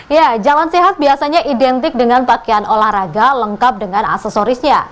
ya jalan sehat biasanya identik dengan pakaian olahraga lengkap dengan aksesorisnya